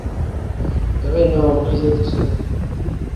এটি হিন্দুধর্মের অন্যতম প্রধান ধর্মগ্রন্থ "ভগবদ্গীতা"-র সঙ্গে যুক্ত।